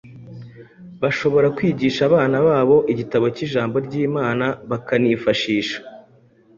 bashobora kwigisha abana babo igitabo cy’ijambo ry’Imana bakanifashisha